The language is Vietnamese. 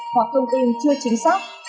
hoặc thông tin chưa chính xác